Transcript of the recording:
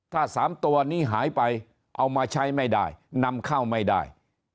ถ้า๓ตัวนี้หายไปเอามาใช้ไม่ได้นำเข้าไม่ได้